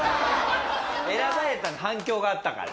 選ばれたんだ反響があったから。